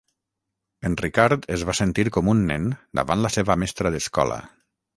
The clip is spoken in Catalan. En Ricard es va sentir com un nen davant la seva mestra d'escola.